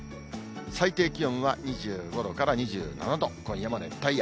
最低気温は２５度から２７度、今夜も熱帯夜。